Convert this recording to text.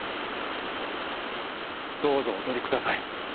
どうぞお取りください。